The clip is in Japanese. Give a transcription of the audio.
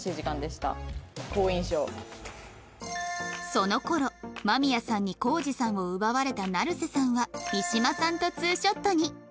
その頃間宮さんにコージさんを奪われた成瀬さんは三島さんとツーショットに